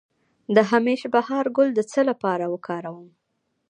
د همیش بهار ګل د څه لپاره وکاروم؟